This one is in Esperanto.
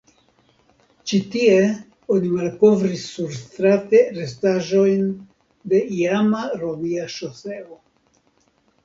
Ĉi tie oni malkovris surstrate restaĵojn de iama romia ŝoseo.